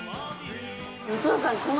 お父さん。